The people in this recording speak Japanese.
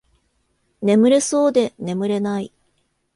眠れそうで眠れない